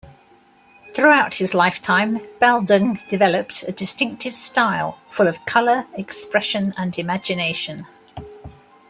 Throughout his lifetime, Baldung developed a distinctive style, full of color, expression and imagination.